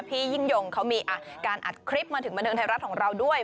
พี่ยิ่งยงเขามีการอัดคลิปมาถึงบันเทิงไทยรัฐของเราด้วย